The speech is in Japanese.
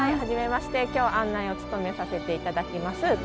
初めまして今日案内を務めさせていただきます